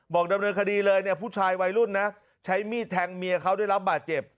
ดำเนินคดีเลยเนี่ยผู้ชายวัยรุ่นนะใช้มีดแทงเมียเขาได้รับบาดเจ็บ